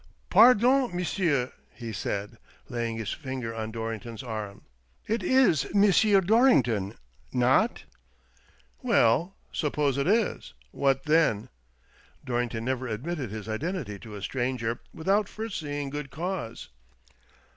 " Pardon, m'sieu," he said, laying his finger on Dorrington's arm, "it is M. Dorrington — not?" " Well — suppose it is, what then ?" Dorrington never admitted his identity to a stranger without first seeing good cause.